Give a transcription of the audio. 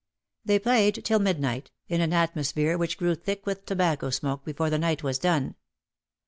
They played till midnight^ in an atmosphere which grew thick with tobacco smoke before the night was done.